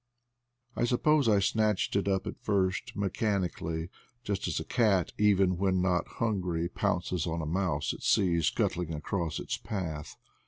I suppose I snatched it up at first mechanically, just as a cat, even when not hungry, pounces on a mouse it sees scuttling across its path.